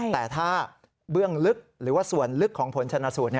แต่ถ้าเบื้องลึกหรือว่าส่วนลึกของผลชนะสูตร